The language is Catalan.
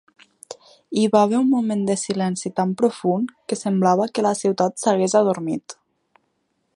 Hi va haver un moment de silenci tan profund que semblava que la ciutat s'hagués adormit.